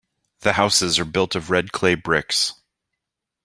The houses are built of red clay bricks.